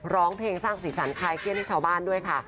ร้องเพลงสร้างสีสันคลายเครียดให้ชาวบ้านด้วยค่ะ